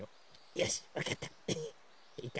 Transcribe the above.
よしわかった！